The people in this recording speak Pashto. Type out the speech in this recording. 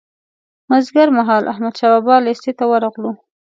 مازیګر مهال احمدشاه بابا لېسې ته ورغلو.